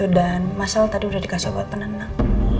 dan masal tadi udah dikasih buat penenang